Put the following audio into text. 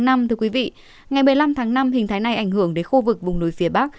ngày một mươi năm tháng năm hình thái này ảnh hưởng đến khu vực vùng núi phía bắc